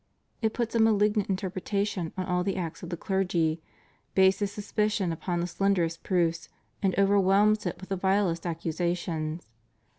It puts a malignant interpretation on all the acts of the clergy, bases suspicion upon the slenderest proofs and overwhelms it with the vilest accu sations.